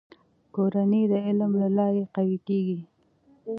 کورنۍ د علم له لارې قوي کېږي.